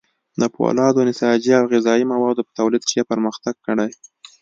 د فولادو، نساجي او غذايي موادو په تولید کې یې پرمختګ کړی.